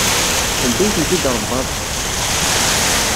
Anda ay tent-id-tṛebbaḍ?